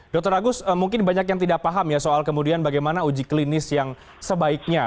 dr agus mungkin banyak yang tidak paham ya soal kemudian bagaimana uji klinis yang sebaiknya